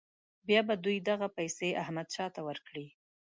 بیا به دوی دغه پیسې احمدشاه ته ورکړي.